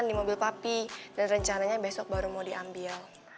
di mobil papi dan rencananya besok baru mau diambil